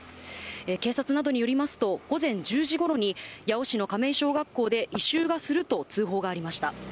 警察などによりますと、午前１０時ごろに八尾市の亀井小学校で異臭がすると通報がありました。